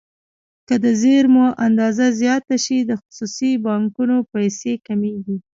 که د زېرمو اندازه زیاته شي د خصوصي بانکونو پیسې کمیږي.